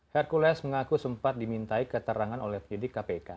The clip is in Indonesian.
hercules mengaku sempat dimintai keterangan oleh penyidik kpk